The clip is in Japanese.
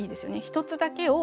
一つだけを。